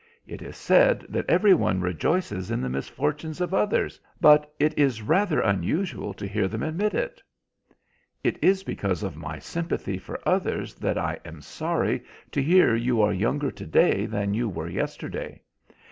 It is said that every one rejoices in the misfortunes of others, but it is rather unusual to hear them admit it." "It is because of my sympathy for others that I am sorry to hear you are younger today than you were yesterday.